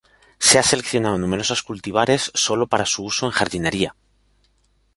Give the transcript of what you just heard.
Se han seleccionado numerosos cultivares solo para su uso en jardinería.